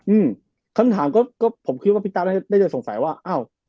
อืมคำถามก็ก็ผมคิดว่าพี่ต้าได้น่าจะสงสัยว่าอ้าว